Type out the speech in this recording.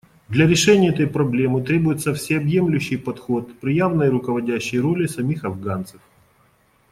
Для решения этой проблемы требуется всеобъемлющий подход при явной руководящей роли самих афганцев.